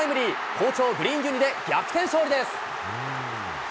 好調グリーンユニで、逆転勝利です。